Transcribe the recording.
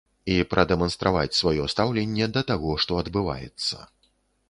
І прадэманстраваць сваё стаўленне да таго, што адбываецца.